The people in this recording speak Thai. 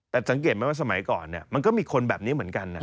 แต่สังเกตไหมว่าสมัยก่อนมันก็มีคนแบบนี้เหมือนกันนะ